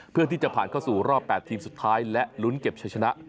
เพื่อที่จะผ่านเข้าสู่รอบ๘ทีมสุดท้ายและลุ้นเก็บใช้ชนะ